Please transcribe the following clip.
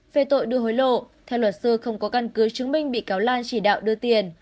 về tội đưa hối lộ theo luật sư không có căn cứ chứng minh bị cáo lan chỉ đạo đưa tiền